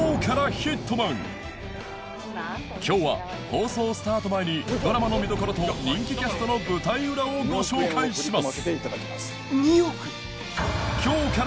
今日は放送スタート前にドラマの見どころと人気キャストの舞台裏をご紹介します